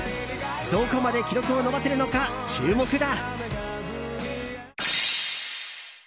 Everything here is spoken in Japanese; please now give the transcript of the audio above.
どこまで記録を伸ばせるのか注目だ。